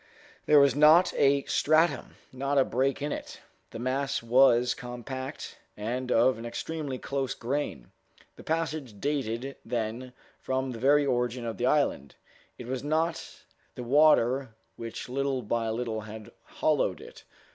There was not a stratum, not a break in it. The mass was compact, and of an extremely close grain. The passage dated, then, from the very origin of the island. It was not the water which little by little had hollowed it.